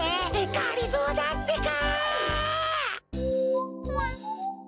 がりぞーだってか！